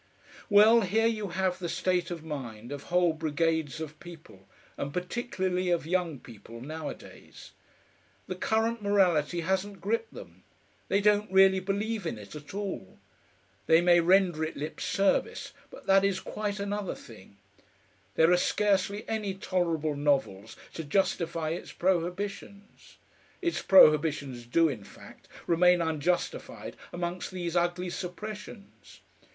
Well, here you have the state of mind of whole brigades of people, and particularly of young people, nowadays. The current morality hasn't gripped them; they don't really believe in it at all. They may render it lip service, but that is quite another thing. There are scarcely any tolerable novels to justify its prohibitions; its prohibitions do, in fact, remain unjustified amongst these ugly suppressions.